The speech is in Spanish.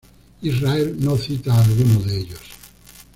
Israel no cita a alguno de ellos.